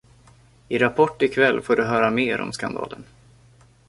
I Rapport ikväll får du höra mer om skandalen